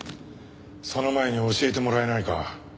その前に教えてもらえないか？